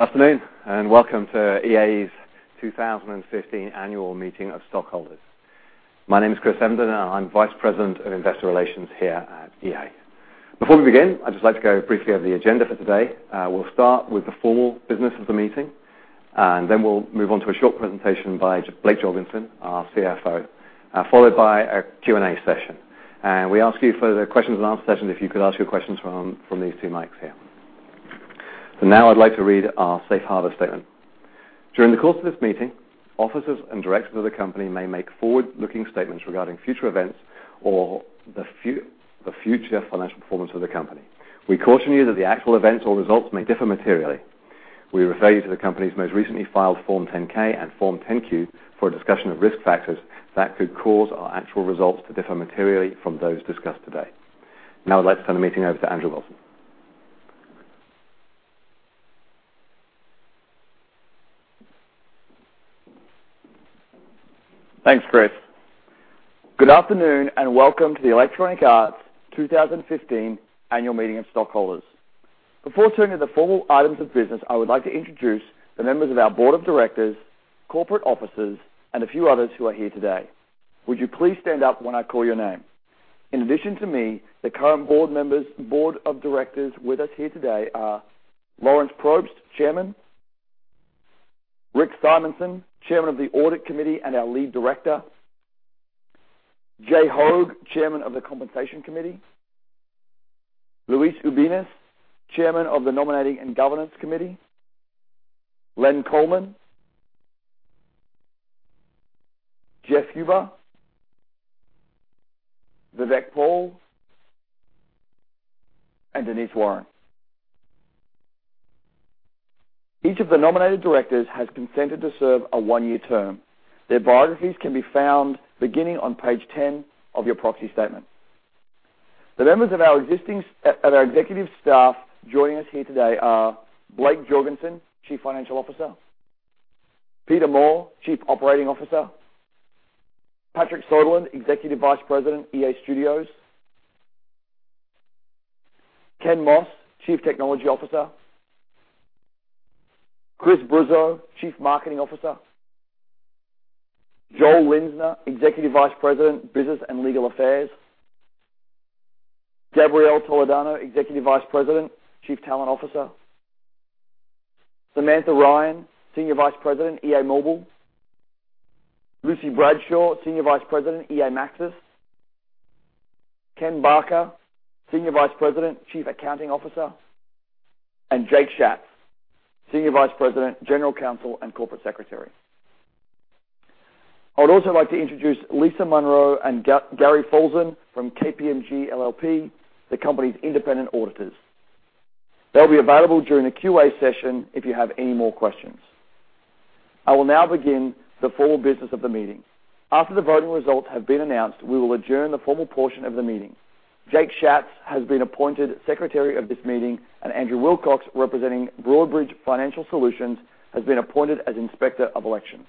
Afternoon, welcome to EA's 2015 annual meeting of stockholders. My name is Chris Evenden, and I'm vice president of investor relations here at EA. Before we begin, I'd just like to go briefly over the agenda for today. We'll start with the formal business of the meeting. We'll move on to a short presentation by Blake Jorgensen, our CFO, followed by a Q&A session. We ask you, for the questions and answer session, if you could ask your questions from these two mics here. Now I'd like to read our safe harbor statement. During the course of this meeting, officers and directors of the company may make forward-looking statements regarding future events or the future financial performance of the company. We caution you that the actual events or results may differ materially. We refer you to the company's most recently filed Form 10-K and Form 10-Q for a discussion of risk factors that could cause our actual results to differ materially from those discussed today. Now I'd like to turn the meeting over to Andrew Wilson. Thanks, Chris. Good afternoon, welcome to the Electronic Arts 2015 annual meeting of stockholders. Before turning to the formal items of business, I would like to introduce the members of our board of directors, corporate officers, and a few others who are here today. Would you please stand up when I call your name? In addition to me, the current board of directors with us here today are Lawrence Probst, chairman; Rick Simonson, chairman of the audit committee and our lead director; Jay Hoag, chairman of the compensation committee; Luis Ubiñas, chairman of the nominating and governance committee; Leonard Coleman, Jeff Huber, Vivek Paul, and Denise Warren. Each of the nominated directors has consented to serve a one-year term. Their biographies can be found beginning on page 10 of your proxy statement. The members of our executive staff joining us here today are Blake Jorgensen, Chief Financial Officer; Peter Moore, Chief Operating Officer; Patrick Söderlund, Executive Vice President, EA Studios; Ken Moss, Chief Technology Officer; Chris Bruzzo, Chief Marketing Officer; Joel Linzner, Executive Vice President, Business and Legal Affairs; Gabrielle Toledano, Executive Vice President, Chief Talent Officer; Samantha Ryan, Senior Vice President, EA Mobile; Lucy Bradshaw, Senior Vice President, EA Maxis; Ken Barker, Senior Vice President, Chief Accounting Officer; and Jake Schatz, Senior Vice President, General Counsel, and Corporate Secretary. I would also like to introduce Lisa Monroe and Gary Folsom from KPMG LLP, the company's independent auditors. They'll be available during the QA session if you have any more questions. I will now begin the formal business of the meeting. After the voting results have been announced, we will adjourn the formal portion of the meeting. Jake Schatz has been appointed secretary of this meeting, and Andrew Wilcox, representing Broadridge Financial Solutions, has been appointed as inspector of elections.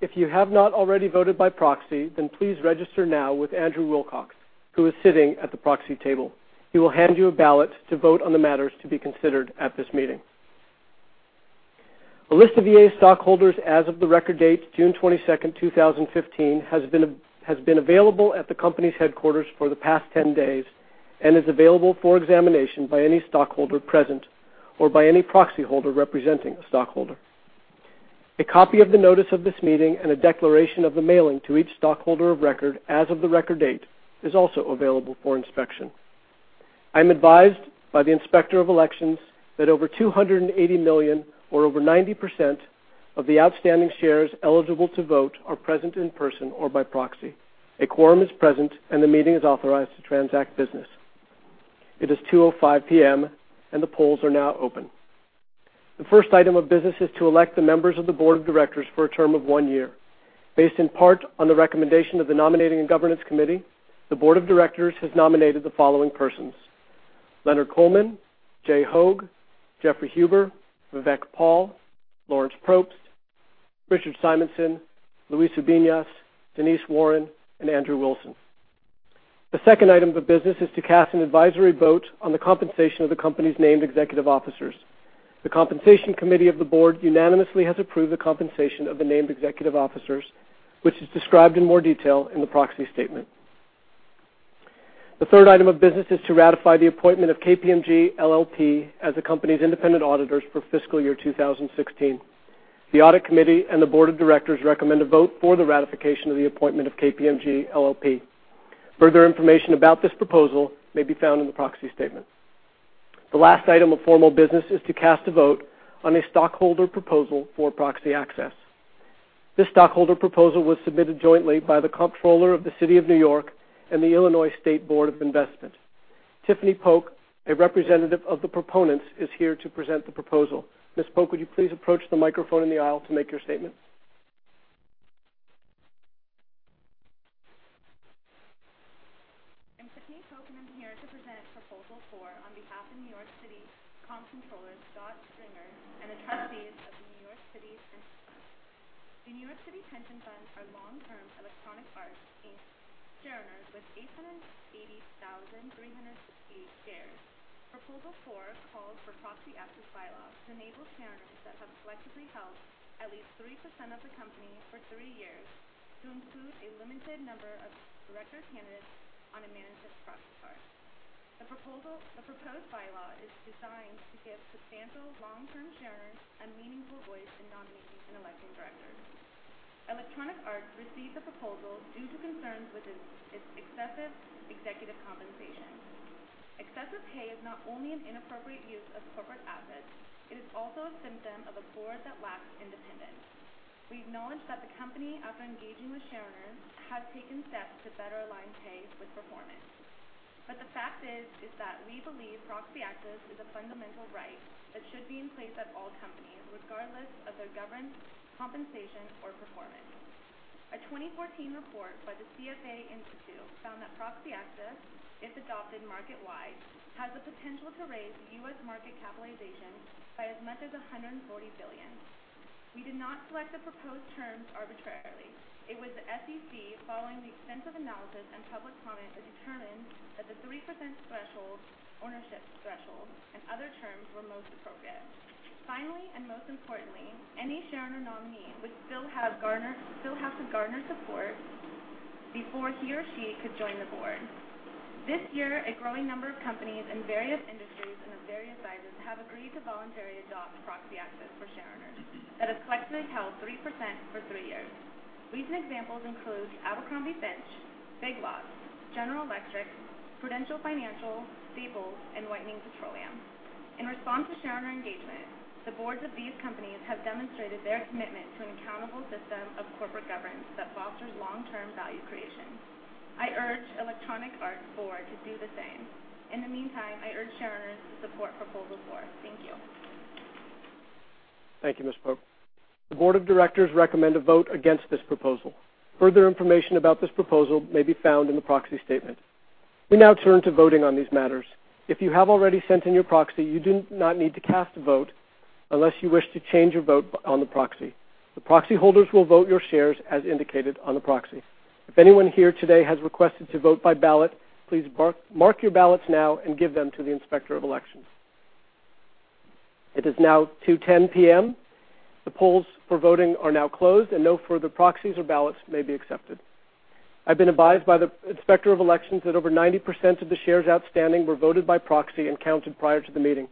If you have not already voted by proxy, please register now with Andrew Wilcox, who is sitting at the proxy table. He will hand you a ballot to vote on the matters to be considered at this meeting. A list of EA stockholders as of the record date, June 22nd, 2015, has been available at the company's headquarters for the past 10 days and is available for examination by any stockholder present or by any proxy holder representing a stockholder. A copy of the notice of this meeting and a declaration of the mailing to each stockholder of record as of the record date is also available for inspection. I'm advised by the inspector of elections that over 280 million, or over 90%, of the outstanding shares eligible to vote are present in person or by proxy. A quorum is present, and the meeting is authorized to transact business. It is 2:05 P.M. The polls are now open. The first item of business is to elect the members of the board of directors for a term of one year. Based in part on the recommendation of the nominating and governance committee, the board of directors has nominated the following persons: Leonard Coleman, Jay Hoag, Jeffrey Huber, Vivek Paul, Lawrence Probst, Richard Simonson, Luis Ubiñas, Denise Warren, and Andrew Wilson. The second item of business is to cast an advisory vote on the compensation of the company's named executive officers. The compensation committee of the board unanimously has approved the compensation of the named executive officers, which is described in more detail in the proxy statement. The third item of business is to ratify the appointment of KPMG LLP as the company's independent auditors for fiscal year 2016. The audit committee and the board of directors recommend a vote for the ratification of the appointment of KPMG LLP. Further information about this proposal may be found in the proxy statement. The last item of formal business is to cast a vote on a stockholder proposal for proxy access. This stockholder proposal was submitted jointly by the Comptroller of the City of New York and the Illinois State Board of Investment. Tiffany Poke, a representative of the proponents, is here to present the proposal. Ms. Poke, would you please approach the microphone in the aisle to make your statement? I'm Tiffany Poke, and I'm here to present Proposal four on behalf of New York City Comptroller Scott Stringer and attorneys of New York City's pension funds. The New York City Pension Funds are long-term Electronic Arts Inc. shareholders with 880,368 shares. Proposal four calls for proxy access bylaws to enable shareholders that have collectively held at least 3% of the company for three years to include a limited number of director candidates on a management proxy card. The proposed bylaw is designed to give substantial long-term shareholders a meaningful voice in nominating and electing directors. Electronic Arts received the proposal due to concerns with its excessive executive compensation. Excessive pay is not only an inappropriate use of corporate assets, it is also a symptom of a board that lacks independence. We acknowledge that the company, after engaging with shareholders, has taken steps to better align pay with performance. The fact is that we believe proxy access is a fundamental right that should be in place at all companies, regardless of their governance, compensation, or performance. A 2014 report by the CFA Institute found that proxy access, if adopted market-wide, has the potential to raise U.S. market capitalization by as much as $140 billion. We did not select the proposed terms arbitrarily. It was the SEC, following the extensive analysis and public comment, that determined that the 3% ownership threshold and other terms were most appropriate. Finally, and most importantly, any shareholder nominee would still have to garner support before he or she could join the board. This year, a growing number of companies in various industries and of various sizes have agreed to voluntarily adopt proxy access for shareholders that have collectively held 3% for three years. Recent examples include Abercrombie & Fitch, Big Lots, General Electric, Prudential Financial, Staples, and Whiting Petroleum. In response to shareholder engagement, the boards of these companies have demonstrated their commitment to an accountable system of corporate governance that fosters long-term value creation. I urge Electronic Arts' board to do the same. In the meantime, I urge shareholders to support Proposal four. Thank you. Thank you, Ms. Pope. The board of directors recommend a vote against this proposal. Further information about this proposal may be found in the proxy statement. We now turn to voting on these matters. If you have already sent in your proxy, you do not need to cast a vote unless you wish to change your vote on the proxy. The proxy holders will vote your shares as indicated on the proxy. If anyone here today has requested to vote by ballot, please mark your ballots now and give them to the Inspector of Elections. It is now 2:10 P.M. The polls for voting are now closed, and no further proxies or ballots may be accepted. I've been advised by the Inspector of Elections that over 90% of the shares outstanding were voted by proxy and counted prior to the meeting.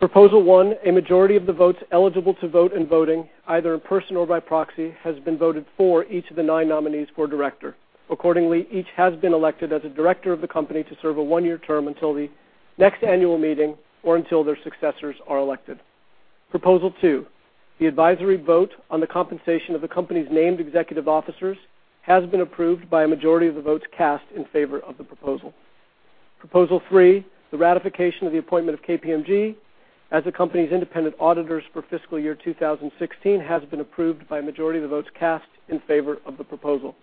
Proposal one, a majority of the votes eligible to vote in voting, either in person or by proxy, has been voted for each of the nine nominees for director. Accordingly, each has been elected as a director of the company to serve a one-year term until the next annual meeting or until their successors are elected. Proposal two, the advisory vote on the compensation of the company's named executive officers has been approved by a majority of the votes cast in favor of the proposal. Proposal three, the ratification of the appointment of KPMG as the company's independent auditors for fiscal year 2016 has been approved by a majority of the votes cast in favor of the proposal.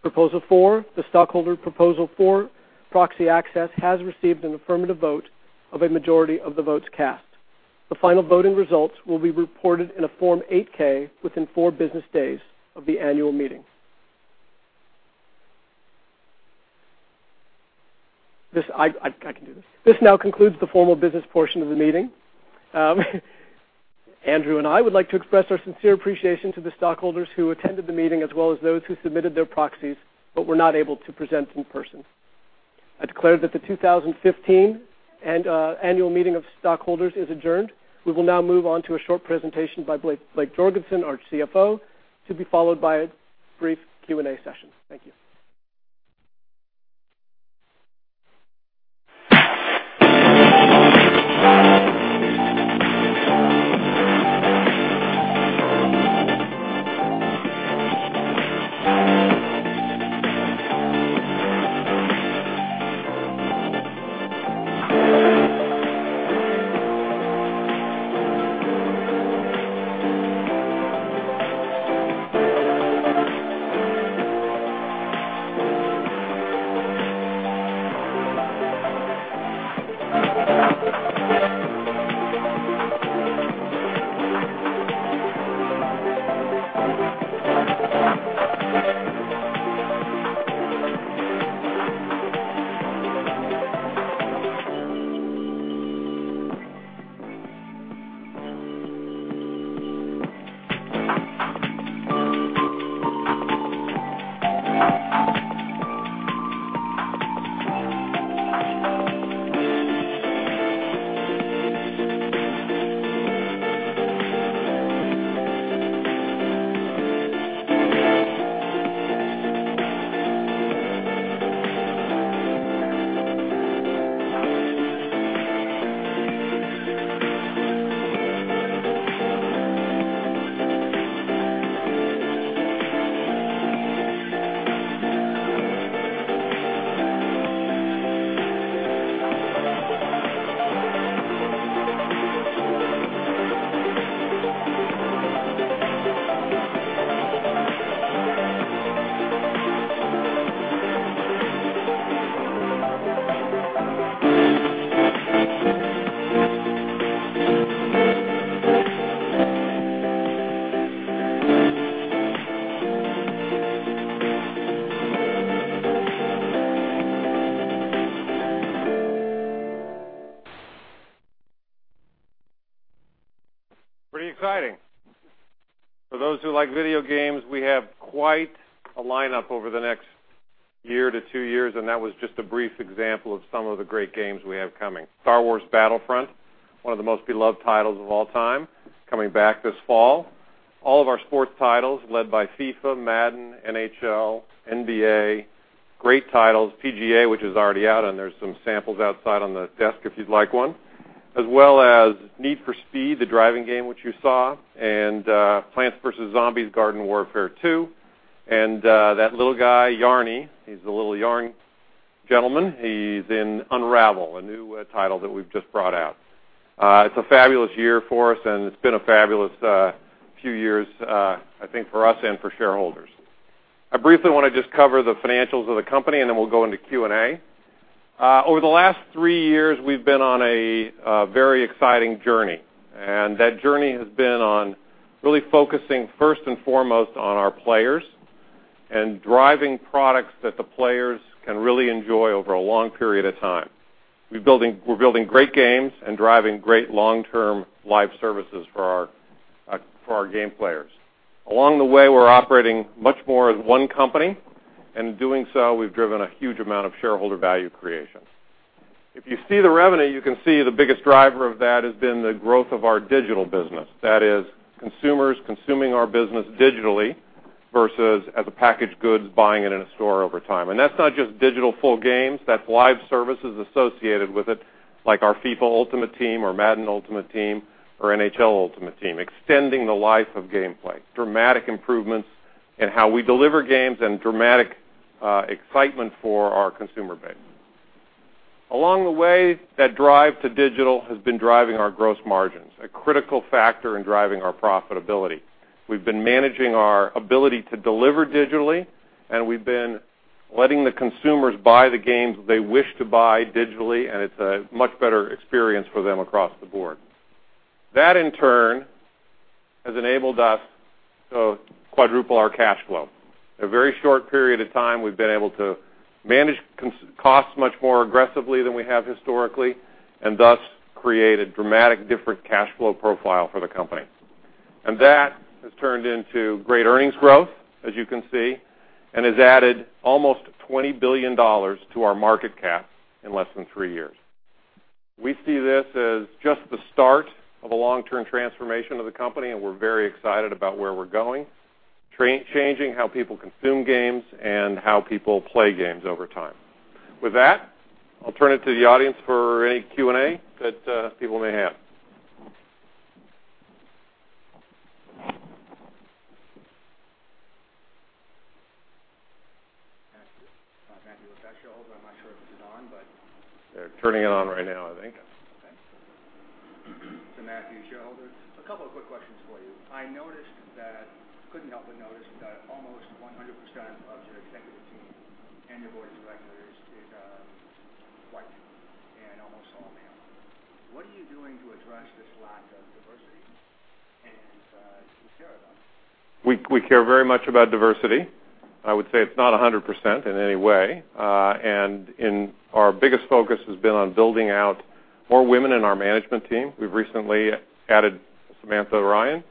Proposal four, the stockholder proposal four, proxy access, has received an affirmative vote of a majority of the votes cast. The final voting results will be reported in a Form 8-K within four business days of the annual meeting. I can do this. This now concludes the formal business portion of the meeting. Andrew and I would like to express our sincere appreciation to the stockholders who attended the meeting, as well as those who submitted their proxies but were not able to present in person. I declare that the 2015 annual meeting of stockholders is adjourned. We will now move on to a short presentation by Blake Jorgensen, our CFO, to be followed by a brief Q&A session. Thank you. Pretty exciting. For those who like video games, we have quite a lineup over the next year to two years, that was just a brief example of some of the great games we have coming. Star Wars Battlefront, one of the most beloved titles of all time, coming back this fall. All of our sports titles led by FIFA, Madden, NHL, NBA, great titles, PGA, which is already out, and there's some samples outside on the desk if you'd like one. As well as Need for Speed, the driving game, which you saw, and Plants vs. Zombies: Garden Warfare 2, and that little guy, Yarny, he's the little yarn gentleman. He's in Unravel, a new title that we've just brought out. It's a fabulous year for us, and it's been a fabulous few years, I think, for us and for shareholders. I briefly want to just cover the financials of the company, then we'll go into Q&A. Over the last three years, we've been on a very exciting journey, that journey has been on really focusing first and foremost on our players and driving products that the players can really enjoy over a long period of time. We're building great games and driving great long-term live services for our game players. Along the way, we're operating much more as one company, in doing so, we've driven a huge amount of shareholder value creation. If you see the revenue, you can see the biggest driver of that has been the growth of our digital business. That is, consumers consuming our business digitally versus as a packaged good, buying it in a store over time. That's not just digital full games. That's live services associated with it, like our FIFA Ultimate Team or Madden Ultimate Team or NHL Ultimate Team, extending the life of gameplay. Dramatic improvements in how we deliver games and dramatic excitement for our consumer base. That drive to digital has been driving our gross margins, a critical factor in driving our profitability. We've been managing our ability to deliver digitally, we've been letting the consumers buy the games they wish to buy digitally, it's a much better experience for them across the board. That, in turn, has enabled us to quadruple our cash flow. In a very short period of time, we've been able to manage costs much more aggressively than we have historically, thus, create a dramatically different cash flow profile for the company. That has turned into great earnings growth, as you can see, has added almost $20 billion to our market cap in less than three years. We see this as just the start of a long-term transformation of the company, we're very excited about where we're going. Changing how people consume games and how people play games over time. With that, I'll turn it to the audience for any Q&A that people may have. Matthew, with that shareholder, I'm not sure if this is on. They're turning it on right now, I think. Matthew, shareholder. A couple of quick questions for you. I noticed that, couldn't help but notice that almost 100% of your executive team and your board of directors is white and almost all male. What are you doing to address this lack of diversity? Do you care about it? We care very much about diversity. I would say it's not 100% in any way. Our biggest focus has been on building out more women in our management team. We've recently added Samantha Ryan.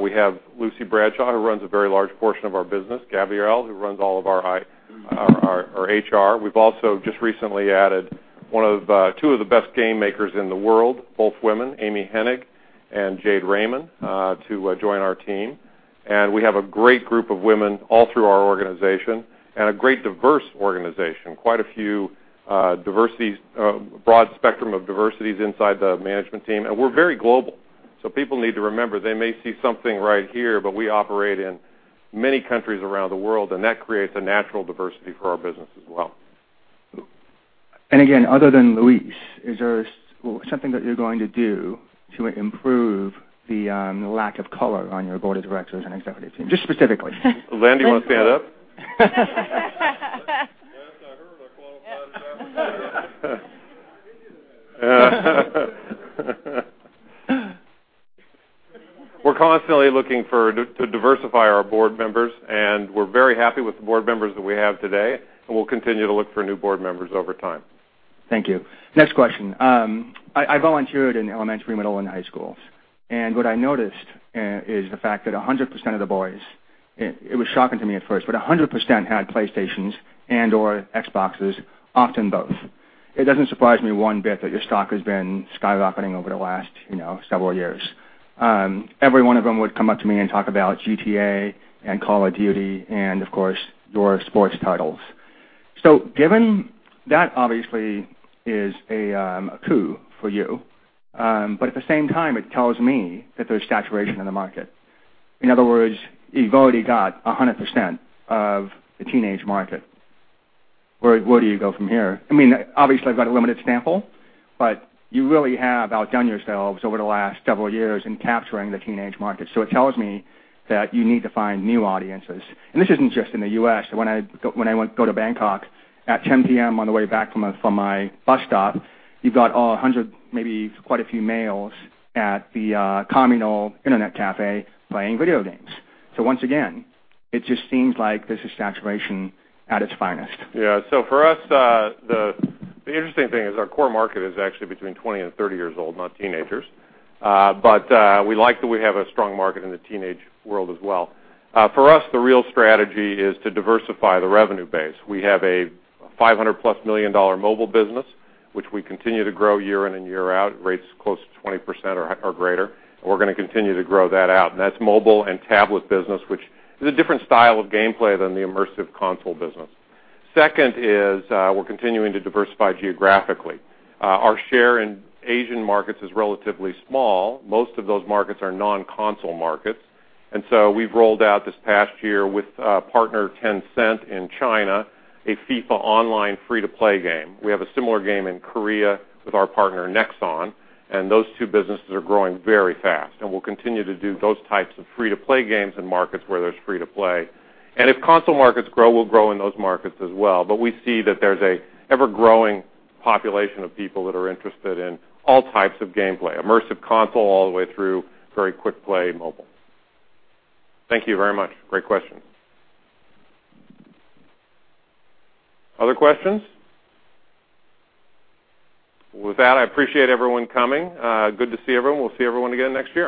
We have Lucy Bradshaw, who runs a very large portion of our business, Gabrielle, who runs all of our HR. We've also just recently added two of the best game makers in the world, both women, Amy Hennig and Jade Raymond, to join our team. We have a great group of women all through our organization and a great diverse organization. Quite a broad spectrum of diversities inside the management team, and we're very global. People need to remember, they may see something right here, but we operate in many countries around the world, and that creates a natural diversity for our business as well. Again, other than Louise, is there something that you're going to do to improve the lack of color on your board of directors and executive team? Just specifically. Landon, do you want to stand up? Yes, I heard. I qualified that. We're constantly looking to diversify our board members. We're very happy with the board members that we have today. We'll continue to look for new board members over time. Thank you. Next question. I volunteered in elementary, middle, and high schools, and what I noticed is the fact that 100% of the boys, it was shocking to me at first, but 100% had PlayStations and/or Xboxes, often both. It doesn't surprise me one bit that your stock has been skyrocketing over the last several years. Every one of them would come up to me and talk about Grand Theft Auto and Call of Duty and, of course, your sports titles. Given that, obviously, is a coup for you. At the same time, it tells me that there's saturation in the market. In other words, you've already got 100% of the teenage market. Where do you go from here? Obviously, I've got a limited sample, but you really have outdone yourselves over the last several years in capturing the teenage market. It tells me that you need to find new audiences. This isn't just in the U.S. When I go to Bangkok at 10:00 P.M. on the way back from my bus stop, you've got 100, maybe quite a few males at the communal internet cafe playing video games. Once again, it just seems like this is saturation at its finest. For us, the interesting thing is our core market is actually between 20 and 30 years old, not teenagers. We like that we have a strong market in the teenage world as well. For us, the real strategy is to diversify the revenue base. We have a $500-plus million mobile business, which we continue to grow year in and year out at rates close to 20% or greater. We're going to continue to grow that out. That's mobile and tablet business, which is a different style of gameplay than the immersive console business. Second is we're continuing to diversify geographically. Our share in Asian markets is relatively small. Most of those markets are non-console markets. We've rolled out this past year with partner Tencent in China, a FIFA Online free-to-play game. We have a similar game in Korea with our partner Nexon. Those two businesses are growing very fast. We'll continue to do those types of free-to-play games in markets where there's free to play. If console markets grow, we'll grow in those markets as well. We see that there's an ever-growing population of people that are interested in all types of gameplay, immersive console, all the way through very quick play mobile. Thank you very much. Great question. Other questions? With that, I appreciate everyone coming. Good to see everyone. We'll see everyone again next year.